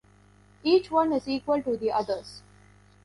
Each one is equal to the others.